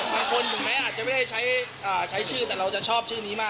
ถึงแม้อาจจะไม่ได้ใช้ชื่อแต่เราจะชอบชื่อนี้มาก